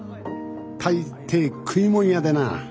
大抵食いもん屋でな。